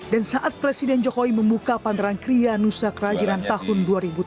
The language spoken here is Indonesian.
dan saat presiden jokowi membuka panderan krianusak kerajinan tahun dua ribu tujuh belas